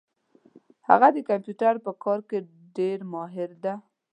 هغه د کمپیوټر په کار کي ډېر ماهر ده